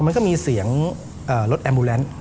มันก็มีเสียงรถแอมบูแลนซ์